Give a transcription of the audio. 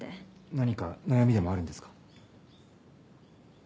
何か悩みでもあるんですか？